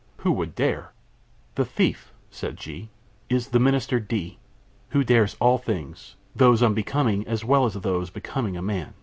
Who would dare " "The thief," said G , "is the Minister D , who dares all things, those unbecoming as well as those becoming a man.